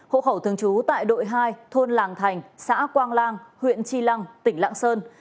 hộ khẩu thường trú tại đội hai thôn làng thành xã quang lang huyện tri lăng tỉnh lạng sơn